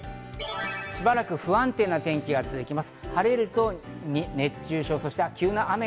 しばらく不安定な天気が続きます。